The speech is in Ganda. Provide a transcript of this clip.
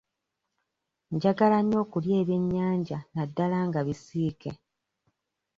Njagala nnyo okulya ebyennyanja naddala nga bisiike.